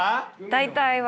大体は。